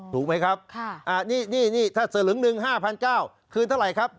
ถูกไหมครับสลึงหนึ่ง๕๙๐๐บาทคืนเท่าไหร่ครับ